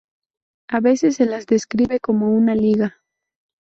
A veces se las describe como una liga.